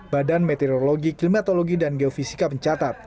badan meteorologi klimatologi dan geofisika mencatat